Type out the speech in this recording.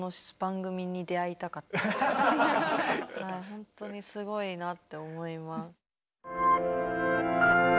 ほんとにすごいなって思います。